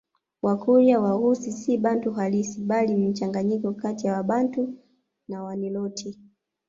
Wakurya Waghusii si Bantu halisi bali ni mchanganyiko kati ya Wabantu na Waniloti